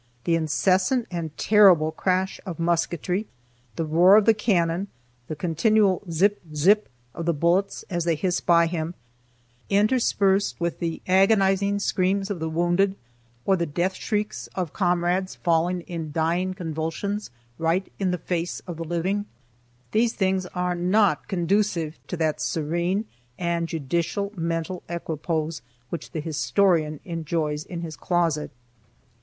The incessant and terrible crash of musketry, the roar of the cannon, the continual zip, zip, of the bullets as they hiss by him, interspersed with the agonizing screams of the wounded, or the death shrieks of comrades falling in dying convulsions right in the face of the living, these things are not conducive to that serene and judicial mental equipoise which the historian enjoys in his closet.